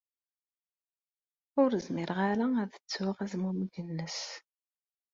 Ur zmireɣ ara ad ttuɣ azmumeg-nnes.